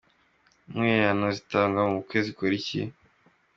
Intwererano zitangwa mu bukwe zikora iki ?.